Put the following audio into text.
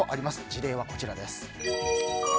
事例はこちらです。